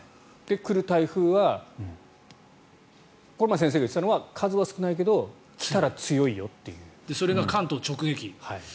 来る台風はこの前、先生が言っていたのは数は少ないけどそれが関東直撃。